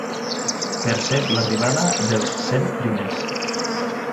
Percep l'arribada dels cent primers.